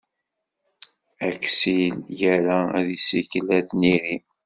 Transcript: Aksil ira ad issikel ar tniri.